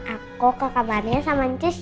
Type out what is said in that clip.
aku ke kabarnya sama ncis ya